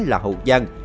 là hậu giang